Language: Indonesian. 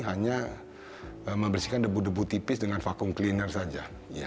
hanya membersihkan debu debu tipis dengan vakum cleaner saja